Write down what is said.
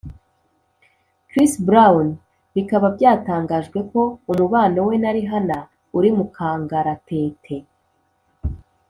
Chris brown bikaba byatangajwe ko umubano we na Rihana uri mukangaratete